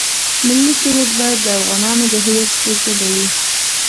ملي سرود باید د افغانانو د هویت په ژبه وي.